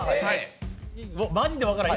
マジで分からへん。